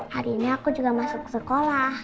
hari ini aku juga masuk sekolah